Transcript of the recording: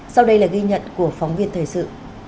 sau đây là ghi nhận của phóng viên thời sự